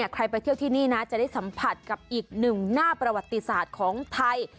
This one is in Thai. ใครไปเที่ยวที่นี่นะจะได้สัมผัสกับอีกหนึ่งหน้าประวัติศาสตร์ของไทย